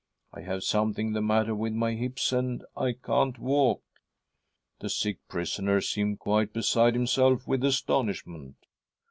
I have something the matter .with my hips, and I can't walk.' " The sick prisoner seemed quite beside himself with astonishment.